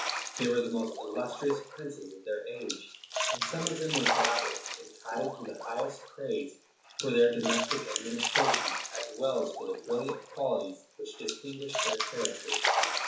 They were the most illustrious princes of their age, and some of them were, doubtless, entitled to the highest praise for their domestic administration, as well as for the brilliant qualities which distinguished their characters.